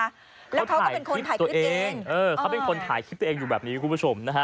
แล้วเขาก็เป็นคนถ่ายตัวเองเออเขาเป็นคนถ่ายคลิปตัวเองอยู่แบบนี้คุณผู้ชมนะฮะ